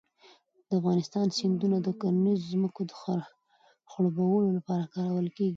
د افغانستان سیندونه د کرنیزو ځمکو د خړوبولو لپاره کارول کېږي.